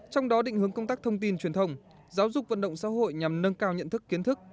trong đó định hướng công tác thông tin truyền thông giáo dục vận động xã hội nhằm nâng cao nhận thức kiến thức